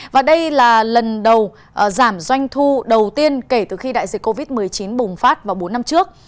và đây là lần đầu giảm doanh thu đầu tiên kể từ khi đại dịch covid một mươi chín bùng phát vào bốn năm trước